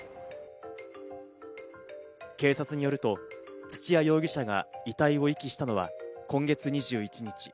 警察によると土屋容疑者が遺体を遺棄したのは今月２１日。